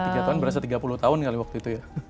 tiga tahun berasa tiga puluh tahun kali waktu itu ya